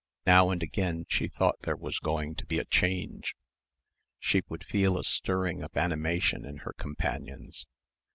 Now and again she thought there was going to be a change. She would feel a stirring of animation in her companions.